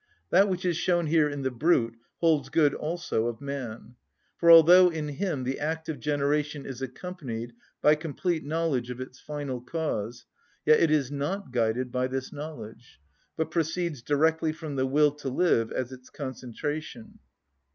That which is shown here in the brute holds good also of man; for although in him the act of generation is accompanied by complete knowledge of its final cause, yet it is not guided by this knowledge, but proceeds directly from the will to live as its concentration.